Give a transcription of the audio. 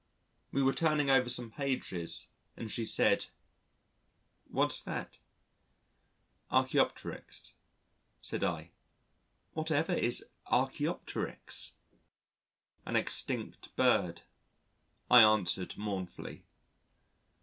We were turning over some pages and she said: "What's that?" "Archæopteryx," said I. "Whatever is Archæopteryx?" "An extinct bird," I answered mournfully.